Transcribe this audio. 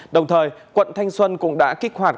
đồng thời quận thanh xuân cũng đã kích hoạt